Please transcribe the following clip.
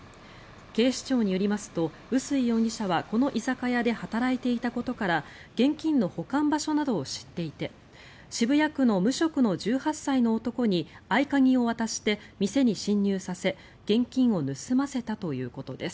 警視庁によりますと碓井容疑者はこの居酒屋で働いていたことから現金の保管場所などを知っていて渋谷区の無職の１８歳の男に合鍵を渡して店に侵入させ現金を盗ませたということです。